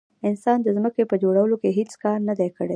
انسان د ځمکې په جوړولو کې هیڅ کار نه دی کړی.